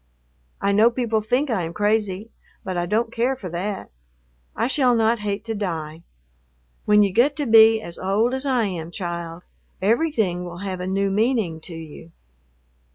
I know people think I am crazy, but I don't care for that. I shall not hate to die. When you get to be as old as I am, child, everything will have a new meaning to you."